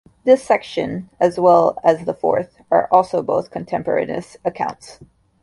This section, as well as the fourth, are also both contemporaneous accounts.